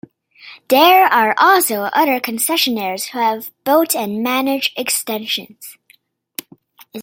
There are also other concessionaires who have built and manage extensions.